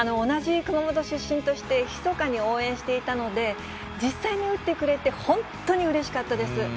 同じ熊本出身として、ひそかに応援していたので、実際に打ってくれて本当にうれしかったです。